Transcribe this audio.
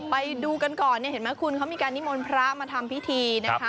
ไปดูกันก่อนเนี่ยเห็นไหมคุณเขามีการนิมนต์พระมาทำพิธีนะคะ